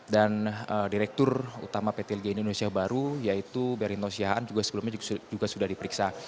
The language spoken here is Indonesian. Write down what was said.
dan direktur utama pt ljn indonesia baru yaitu berin tosiaan juga sebelumnya juga sudah diperiksa